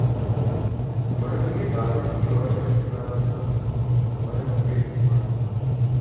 مرضی کے تابع تھی اور اس کا جسم مرد کے جسمانی